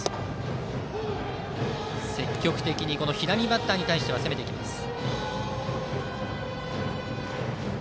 積極的に左バッターに対しては攻めてきます。